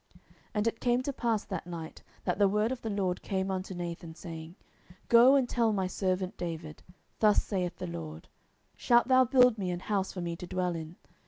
10:007:004 And it came to pass that night, that the word of the LORD came unto Nathan, saying, 10:007:005 Go and tell my servant David, Thus saith the LORD, Shalt thou build me an house for me to dwell in?